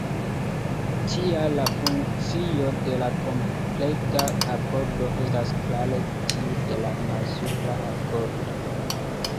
Tial la funkcio de la kompleta akordo estas klare tiu de la malsupra akordo.